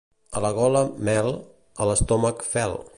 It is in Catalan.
A la gola, mel; a l'estómac, fel.